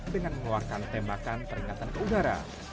dengan mengeluarkan tembakan peringatan ke udara